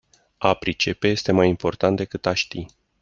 A pricepe este mai important decât a ști.